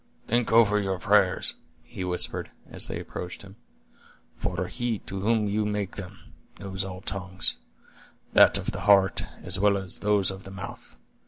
"Think over your prayers," he whispered, as they approached him; "for He to whom you make them, knows all tongues; that of the heart, as well as those of the mouth.